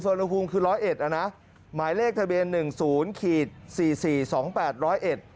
สวนภูมิคือ๑๐๑นะหมายเลขทะเบียน๑๐๔๔๒๘๑๐๑